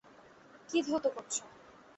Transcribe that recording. কি ধৌত করছো?